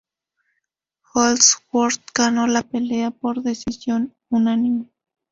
Holdsworth ganó la pelea por decisión unánime.